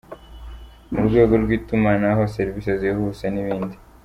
Mu rwego rw’itumanaho, serivisi zihuse n’ibindi.